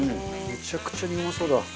めちゃくちゃにうまそうだ。